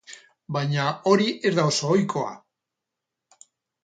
Baina hori ez da oso ohikoa.